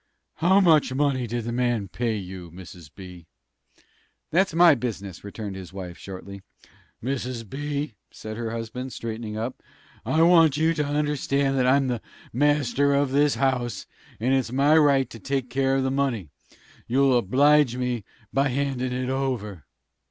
"How much money did the man pay you, Mrs. B.?" "That's my business!" retorted his wife, shortly. "Mrs. B.," said her husband, straightening up, "I want you to understand that I'm the master of this house, and it's my right to take care of the money. You'll oblige me by handin' it over."